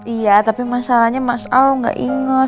iya tapi masalahnya mas al gak inget